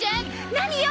何よ！